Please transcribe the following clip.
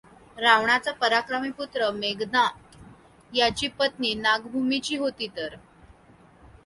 रावणाचा पराक्रमी पुत्र मेघनाद याची पत् नी नागभूमीची होती, तर.